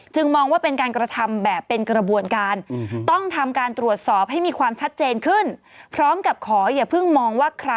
จึงมองว่าเป็นการกระทำแบบเป็นกระบวนการต้องทำการตรวจสอบให้มีความชัดเจนขึ้น